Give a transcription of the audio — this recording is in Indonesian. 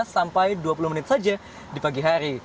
sampai dua puluh menit saja di pagi hari